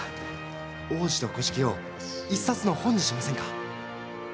「王子と乞食」を１冊の本にしませんか。